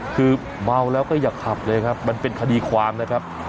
คือเมาแล้วก็อย่าขับเลยครับมันเป็นคดีความนะครับ